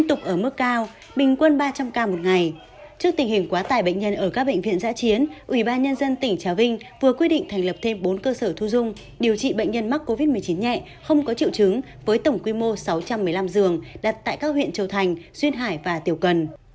ủy ban nhân dân tỉnh trà vinh vừa quyết định thành lập thêm bốn cơ sở thu dung điều trị bệnh nhân mắc covid một mươi chín nhẹ không có triệu chứng với tổng quy mô sáu trăm một mươi năm giường đặt tại các huyện châu thành duyên hải và tiểu cần